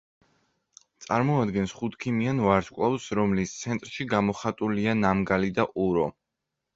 წარმოადგენს ხუთქიმიან ვარსკვლავს, რომლის ცენტრში გამოხატულია ნამგალი და ურო.